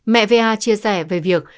mẹ va chia sẻ về việc